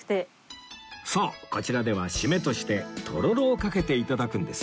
そうこちらでは締めとしてとろろをかけて頂くんです